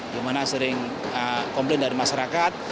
di mana sering komplain dari masyarakat